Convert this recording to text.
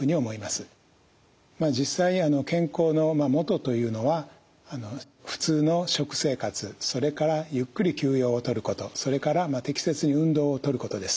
実際健康のもとというのは普通の食生活それからゆっくり休養をとることそれから適切に運動をとることです。